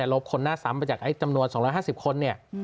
ลบคนน่าซ้ำไปจากจำนวน๒๕๐คน